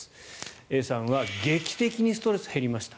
Ａさんは劇的にストレスが減りました。